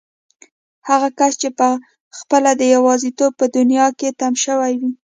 هغه کس چې پخپله د يوازيتوب په دنيا کې تم شوی وي.